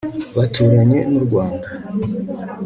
bituranye n u Rwanda